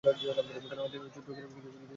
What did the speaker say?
কেননা ওই ছোট্ট শেয়াল কিছু বিশেষ পাগলামো করছে।